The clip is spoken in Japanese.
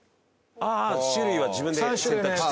ああ種類は自分で選択して？